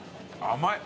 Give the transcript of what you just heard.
甘い！